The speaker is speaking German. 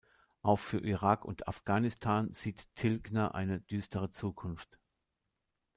Auch für Irak und Afghanistan sieht Tilgner eine düstere Zukunft.